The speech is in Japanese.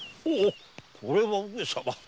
これは上様。